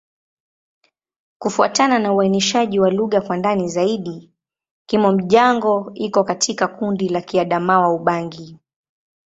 Kufuatana na uainishaji wa lugha kwa ndani zaidi, Kimom-Jango iko katika kundi la Kiadamawa-Ubangi.